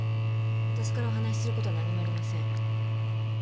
私からお話しする事は何もありません。